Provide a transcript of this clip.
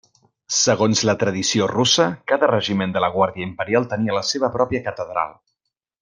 Segons la tradició russa, cada regiment de la guàrdia imperial tenia la seva pròpia catedral.